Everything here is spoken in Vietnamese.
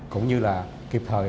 cũng như là kịp thời